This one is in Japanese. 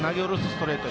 ストレート